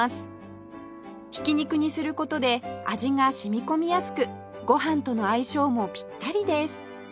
ひき肉にする事で味が染み込みやすくご飯との相性もピッタリです